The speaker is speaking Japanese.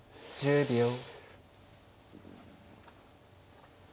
１０秒。